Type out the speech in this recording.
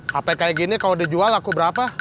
hp kayak gini kalau dijual aku berapa